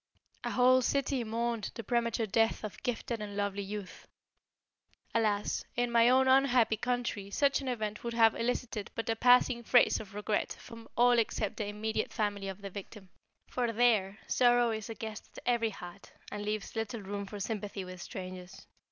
A whole city mourned the premature death of gifted and lovely youth. Alas! In my own unhappy country such an event would have elicited but a passing phrase of regret from all except the immediate family of the victim; for there sorrow is a guest at every heart, and leaves little room for sympathy with strangers.